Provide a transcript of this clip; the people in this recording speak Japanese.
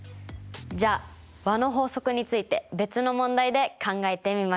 じゃあ和の法則について別の問題で考えてみましょう。